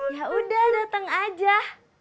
ya udah dateng aja